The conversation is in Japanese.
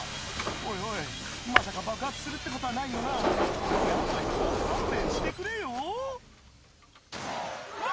おいおいまさか爆発するってことはないよなヤダよ勘弁してくれようわ！